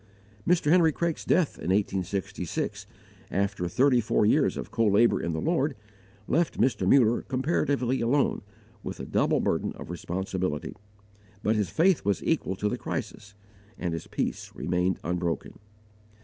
Mr. Henry Craik's death in 1866, after thirty four years of co labour in the Lord, left Mr. Muller comparatively alone with a double burden of responsibility, but his faith was equal to the crisis and his peace remained unbroken.